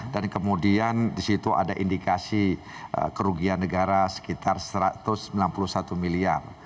dan kemudian disitu ada indikasi kerugian negara sekitar rp satu ratus sembilan puluh satu miliar